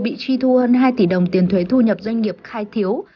bị truy thu hơn hai tỷ đồng tiền thuế thu nhập doanh nghiệp khai thiếu